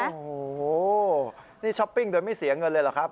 โอ้โหนี่ช้อปปิ้งโดยไม่เสียเงินเลยเหรอครับ